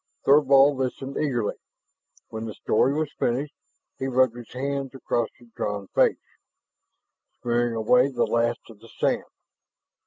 Thorvald listened eagerly. When the story was finished, he rubbed his hands across his drawn face, smearing away the last of the sand.